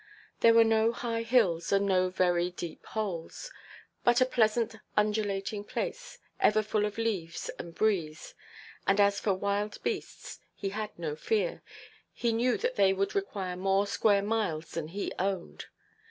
There were no high hills, and no very deep holes; but a pleasant undulating place, ever full of leaves and breezes. And as for wild beasts, he had no fear; he knew that they would require more square miles than he owned.